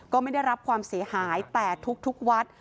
ไม่ได้รับความเสียหายแต่ทุกวัด